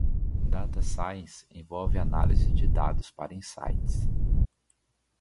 Data Science envolve análise de dados para insights.